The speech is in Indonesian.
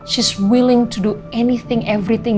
dia berusaha untuk melakukan apa saja